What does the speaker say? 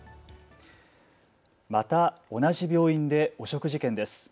また同じ病院で汚職事件です。